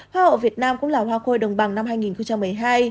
hoa hậu việt nam cũng là hoa khôi đồng bằng năm hai nghìn một mươi hai